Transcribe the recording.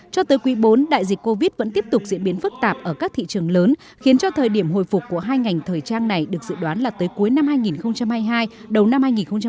cho tới quý bốn đại dịch covid vẫn tiếp tục diễn biến phức tạp ở các thị trường lớn khiến cho thời điểm hồi phục của hai ngành thời trang này được dự đoán là tới cuối năm hai nghìn hai mươi hai đầu năm hai nghìn hai mươi bốn